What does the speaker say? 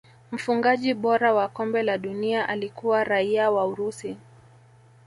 mfungaji bora wa kombe la dunia alikuwa raia wa urusi